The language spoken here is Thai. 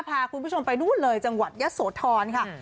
พาคุณผู้ชมไปนู่นเลยจังหวัดยะโสธรค่ะ